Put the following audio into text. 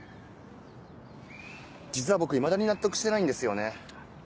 実は僕いまだに納得してないんですよね。